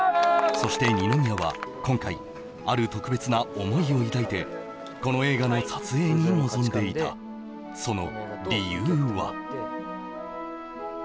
そして二宮は今回ある特別な思いを抱いてこの映画の撮影に臨んでいたその理由は？